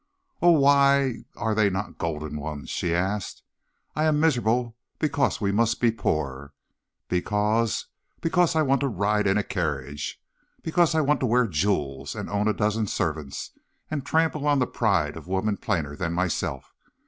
"'O why are they not golden ones!' she asked. 'I am miserable because we must be poor; because because I want to ride in a carriage, because I want to wear jewels and own a dozen servants, and trample on the pride of women plainer than myself.